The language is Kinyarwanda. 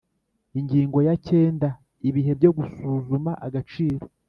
Ingingo ya cyenda Ibihe byo gusuzuma agaciro